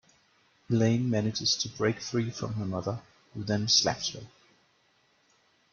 Elaine manages to break free from her mother, who then slaps her.